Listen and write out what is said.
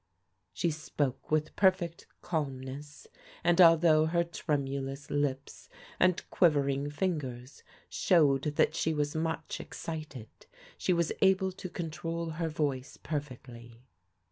She spoke with perfect calmness, and although her tremulous lips and quivering fingers showed that she was much excited, she was able to control her voice perfectly.